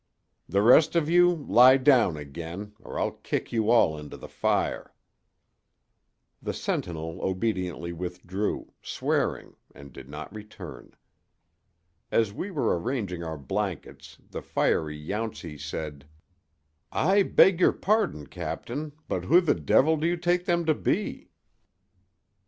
"The rest of you lie down again, or I'll kick you all into the fire." The sentinel obediently withdrew, swearing, and did not return. As we were arranging our blankets the fiery Yountsey said: "I beg your pardon, Captain, but who the devil do you take them to be?"